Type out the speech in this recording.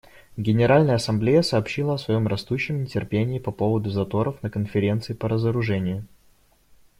Генеральная Ассамблея сообщила о своем растущем нетерпении по поводу заторов на Конференции по разоружению.